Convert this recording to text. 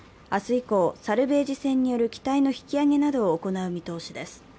以降、サルベージ船による機体の引き揚げなどを行う見通しです。